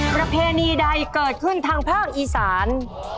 ประเพณีใดเกิดขึ้นทางภาคอีสาน